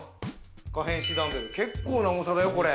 可変式ダンベル、結構な重さだよ。